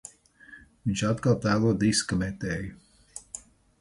Viņš atkal tēlo diska metēju.